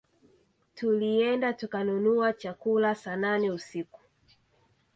Tulienda tukanunua chakula saa nane usiku